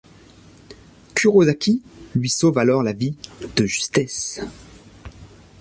Kurosaki lui sauve alors la vie de justesse.